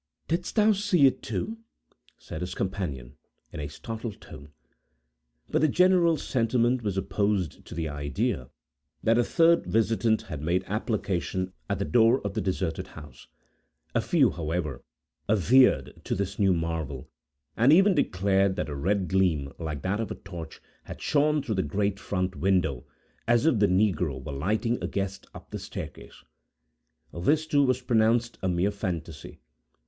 "Didst thou see it, too?" said his companion, in a startled tone. But the general sentiment was opposed to the idea, that a third visitant had made application at the door of the deserted house. A few, however, adhered to this new marvel, and even declared that a red gleam, like that of a torch, had shone through the great front window, as if the negro were lighting a guest up the staircase. This, too, was pronounced a mere fantasy.